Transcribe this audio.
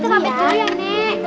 kita pamit dulu ya nek